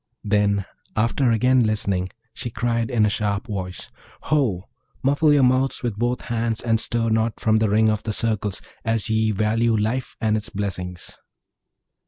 Then, after again listening, she cried in a sharp voice, 'Ho! muffle your mouths with both hands, and stir not from the ring of the circles, as ye value life and its blessings.'